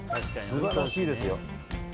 素晴らしいですよ。